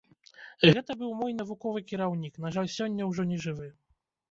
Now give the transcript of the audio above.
Гэта быў мой навуковы кіраўнік, на жаль, сёння ўжо не жывы.